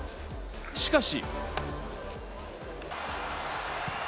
しかし。